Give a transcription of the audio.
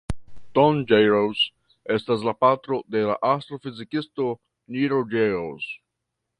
Tom Gehrels estas la patro de la astrofizikisto Neil Gehrels.